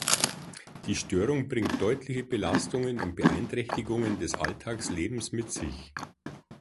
Die Störung bringt deutliche Belastungen und Beeinträchtigungen des Alltagslebens mit sich.